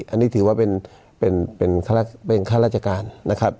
อันนี้ถือว่าเป็นข้าราชการนะครับ